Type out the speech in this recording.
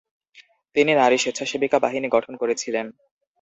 তিনি নারী-স্বেচ্ছাসেবিকা বাহিনী গঠন করেছিলেন।